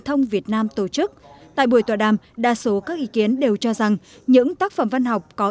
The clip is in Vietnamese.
thông việt nam tổ chức tại buổi tọa đàm đa số các ý kiến đều cho rằng những tác phẩm văn học có